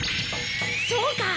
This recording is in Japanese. そうか！